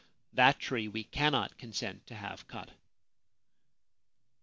That tree we cannot consent to have cut.'